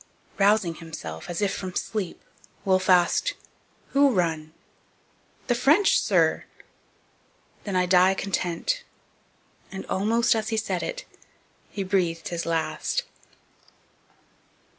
Rousing himself, as if from sleep, Wolfe asked, 'Who run?' 'The French, sir!' 'Then I die content!' and, almost as he said it, he breathed his last.